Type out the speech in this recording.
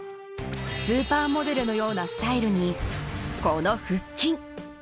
スーパーモデルのようなスタイルに、この腹筋。